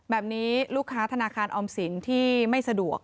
แบบนี้ลูกค้าธนาคารออมสินที่ไม่สะดวก